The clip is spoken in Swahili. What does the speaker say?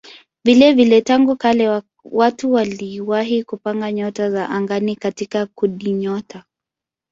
Vilevile tangu kale watu waliwahi kupanga nyota za angani katika kundinyota.